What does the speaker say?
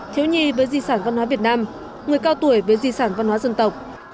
thiếu nhi với di sản văn hóa việt nam người cao tuổi với di sản văn hóa dân tộc